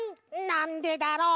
「なんでだろう」